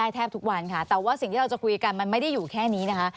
แต่ว่าสิ่งที่เราจะคุยกันมันไม่ได้อยู่แค่นี้นะคะ